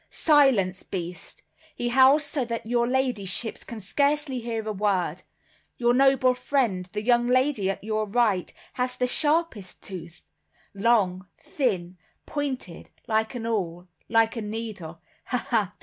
"Silence, beast! He howls so that your ladyships can scarcely hear a word. Your noble friend, the young lady at your right, has the sharpest tooth,—long, thin, pointed, like an awl, like a needle; ha, ha!